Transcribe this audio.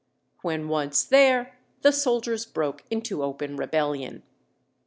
When once there, the soldiers broke into open rebellion.